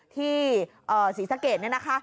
ที่ศรีสะเกียจนี่นะคะ